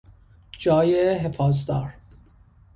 جای حفاظدار